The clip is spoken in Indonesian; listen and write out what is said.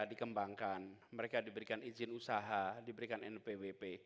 dikembangkan mereka diberikan izin usaha diberikan npwp